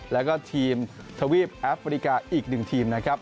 แล้วก็ทีมทวีปแอฟริกาอีก๑ทีมนะครับ